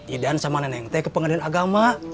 idan sama nenek teh ke pengadilan agama